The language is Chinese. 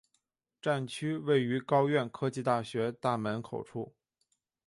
站区位于高苑科技大学大门口处。